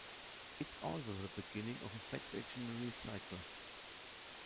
It's also the beginning of a Sexagenary cycle.